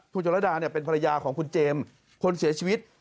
คุณจรรดาเป็นภรรยาของคุณเจมส์คนเสียชีวิต